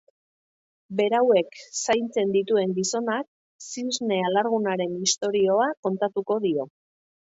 Berauek zaintzen dituen gizonak zisne alargunaren istorioa kontatuko dio.